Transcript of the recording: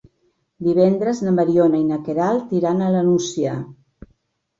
Divendres na Mariona i na Queralt iran a la Nucia.